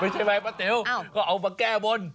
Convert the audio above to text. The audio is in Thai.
ใช่ไหมป้าแต๋วก็เอามาแก้บน